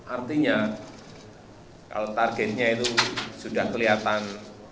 artinya kalau targetnya itu sudah kelihatan